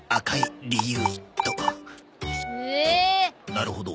なるほど。